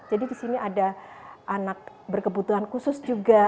jadi di sini ada anak berkebutuhan khusus juga